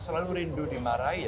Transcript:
selalu rindu dimarahin ya